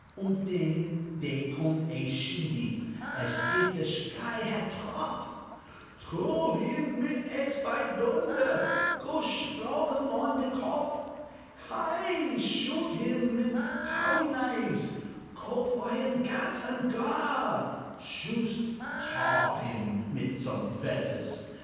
Und denn dere coomed a shindy, Ash if de shky hat trop: "Trow him mit ecks, py doonder! Go shlog him on de kop! Hei! Shoot him mit a powie knifes; Go for him, ganz and gar! Shoost tar him mit some fedders!